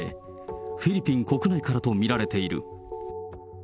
フィリピン国内からと見られている。